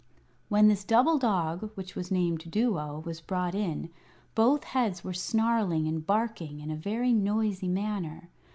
When this double dog, which was named Duo, was brought in, both heads were snarling and barking in a very noisy manner.